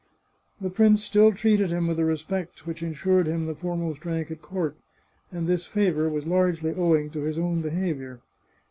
The prince still treated him with a respect which insured him the foremost rank at court, and this favour was largely owing to his own behaviour.